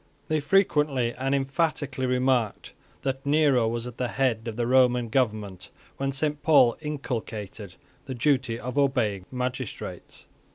They frequently and emphatically remarked that Nero was at the head of the Roman government when Saint Paul inculcated the duty of obeying magistrates.